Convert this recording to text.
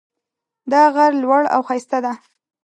دا غر لوړ او ښایسته ده